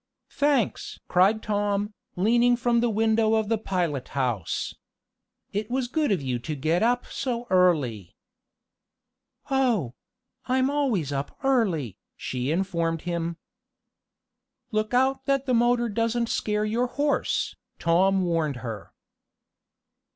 "Thanks!" cried Tom, leaning from the window of the pilot house. "It was good of you to get up so early." "Oh. I'm always up early," she informed him. "Look out that the motor doesn't scare your horse," Tom warned her.